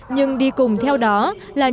nhưng đi cùng theo dõi là không